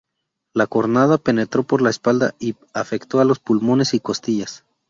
La cornada penetró por la espalda y afectó a los pulmones y costillas.